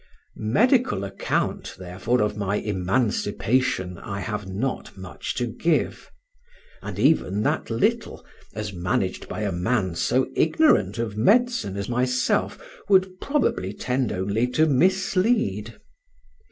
Medical account, therefore, of my emancipation I have not much to give, and even that little, as managed by a man so ignorant of medicine as myself, would probably tend only to mislead.